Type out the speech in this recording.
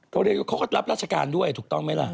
เรียกเขาก็รับราชการด้วยถูกต้องไหมล่ะ